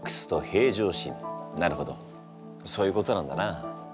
そういうことなんだな。